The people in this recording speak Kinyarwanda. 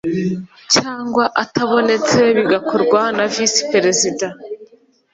cyangwa atabonetse bigakorwa na VisiPerezida